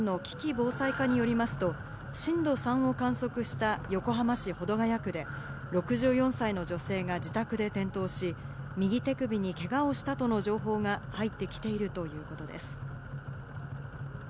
防災課によりますと、震度３を観測した横浜市保土ケ谷区で６４歳の女性が自宅で転倒し、右手首にけがをしたとの情報が入ってきているということです。